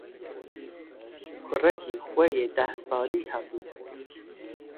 Kurekî xwe ê dehsalî hebû.